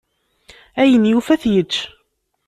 Ayen yufa ad t-yečč.